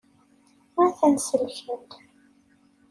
A-t-an selkent.